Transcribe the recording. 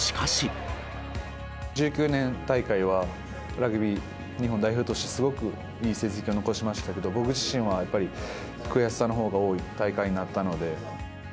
１９年大会は、ラグビー日本代表としてすごくいい成績を残しましたけど、僕自身はやっぱり悔しさのほうが多い大会だったので。